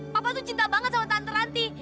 papa tuh cinta banget sama tante ranti